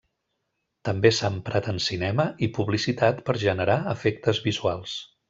També s'ha emprat en cinema i publicitat per a generar efectes visuals.